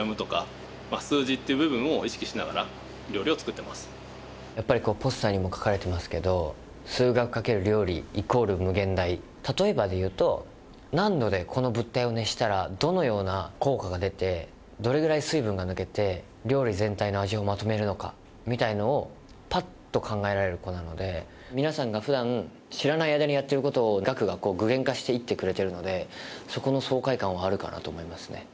してくるのでポスターにも書かれてますけど数学×料理＝∞例えばでいうと何度でこの物体を熱したらどのような効果が出てどれぐらい水分が抜けて料理全体の味をまとめるのかみたいのをパッと考えられる子なので皆さんが普段知らない間にやってることを岳が具現化していってくれてるのでそこの爽快感はあるかなと思いますね